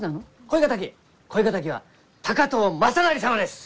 恋敵は高藤雅修様です！